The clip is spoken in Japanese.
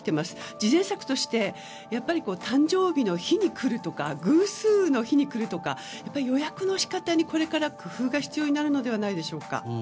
次善策として誕生日の日に来るとか偶数の日に来るとか予約の仕方にこれから工夫が必要になるのではないでしょうか。